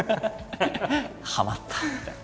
はまった！みたいな。